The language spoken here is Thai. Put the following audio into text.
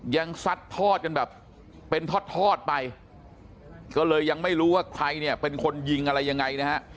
ซัดทอดกันแบบเป็นทอดทอดไปก็เลยยังไม่รู้ว่าใครเนี่ยเป็นคนยิงอะไรยังไงนะฮะ